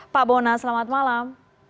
pak bona selamat malam